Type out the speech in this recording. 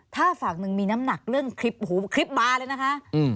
ถ้าฝั่งหนึ่งมีน้ำหนักเรื่องคลิปโอ้โหคลิปบาร์เลยนะคะ